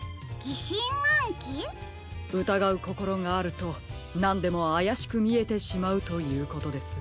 うたがうこころがあるとなんでもあやしくみえてしまうということです。